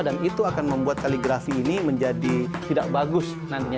dan itu akan membuat kaligrafi ini menjadi tidak bagus nantinya